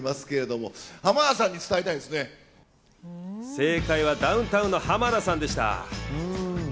正解はダウンタウンの浜田さんでした。